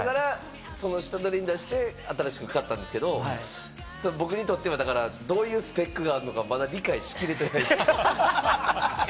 下取りに出して、新しく買ったんですけれども、僕にとっては、どういうスペックがあるのかまだ理解しきれてない。